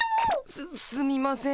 すすみません。